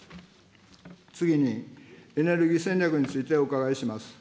次に、エネルギー戦略についてお伺いします。